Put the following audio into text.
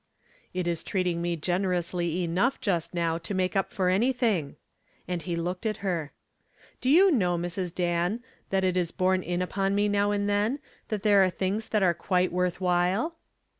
"It is treating me generously enough just now to make up for anything," and he looked at her. "Do you know, Mrs. Dan, that it is borne in upon me now and then that there are things that are quite worth while?"